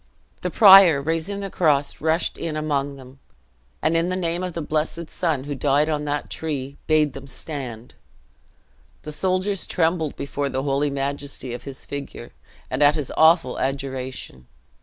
The prior, raising the cross, rushed in among them, and, in the name of the blessed Son who died on that tree, bade them stand! The soldiers trembled before the holy majesty of his figure, and at his awful adjuration.